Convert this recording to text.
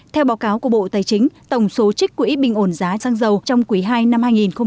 theo báo cáo của bộ tài chính tổng số trích quỹ bình ổn giá sang giàu trong quỹ hai năm hai nghìn hai mươi